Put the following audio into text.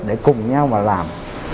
để cùng nhau mà làm